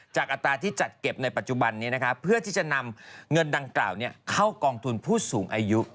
อัตราที่จัดเก็บในปัจจุบันนี้เพื่อที่จะนำเงินดังกล่าวเข้ากองทุนผู้สูงอายุ